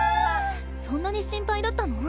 そんなに心配だったの？